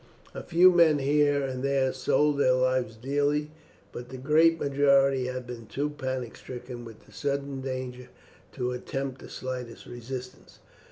A few men here and there sold their lives dearly, but the great majority had been too panic stricken with the sudden danger to attempt the slightest resistance.